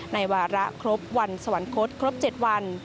วาระครบวันสวรรคตครบ๗วัน